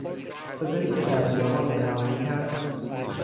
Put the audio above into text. صدایی که در بیابان اعلام میکرد...